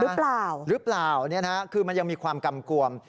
หรือเปล่าหรือเปล่าคือมันยังมีความกำกวม